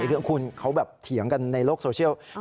คือคุณเขาแบบเถียงกันในโลกโซเชียล